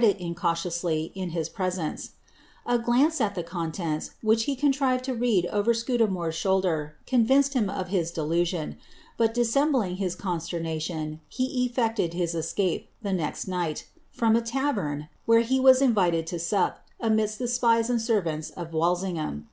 .t, incautionsly, in his presenctt A glance at Ihe conlenl^^, whirh he conlrivcd lo rerkl over Scudaijiiire'i shoulder, convinced him of his delusion, but dissembling his consieroa tion, he efTecled hia escape, the next nighl, from a tavero, where he wu invited to sup, amidst the spies and servants of Walsingham.